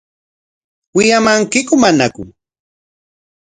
¿Wiyamankiku manaku?